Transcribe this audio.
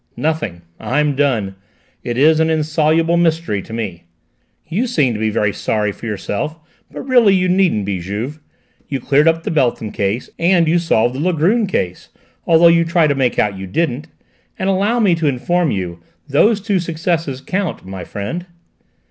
"Nothing. I'm done. It is an insoluble mystery to me." "You seem to be very sorry for yourself, but really you needn't be, Juve. You cleared up the Beltham case, and you solved the Langrune case, although you try to make out you didn't. And allow me to inform you, those two successes count, my friend."